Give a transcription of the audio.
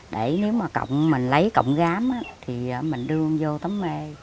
để nếu mà cậu mình lấy cọng gám thì mình đưa vô tấm mê